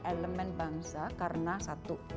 elemen bangsa karena satu